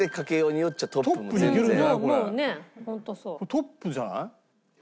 トップじゃない？